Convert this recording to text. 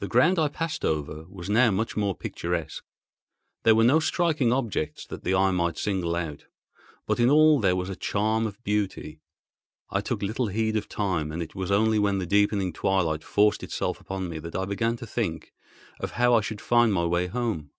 The ground I passed over was now much more picturesque. There were no striking objects that the eye might single out; but in all there was a charm of beauty. I took little heed of time and it was only when the deepening twilight forced itself upon me that I began to think of how I should find my way home.